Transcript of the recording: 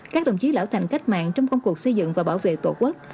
các đồng chí lão thành cách mạng trong công cuộc xây dựng và bảo vệ tổ quốc